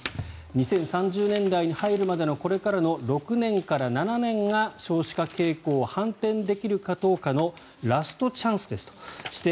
２０３０年代に入るまでのこれからの６年から７年が少子化傾向を反転できるかどうかのラストチャンスですとして